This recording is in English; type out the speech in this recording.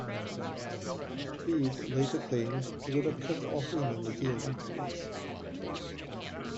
Fede later claims he would have cut Art in on the deal afterwards.